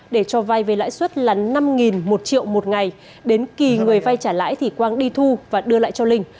để cho vai về lãi suất là năm một triệu một ngày đến kỳ người vai trả lãi thì quang đi thu và đưa lại cho linh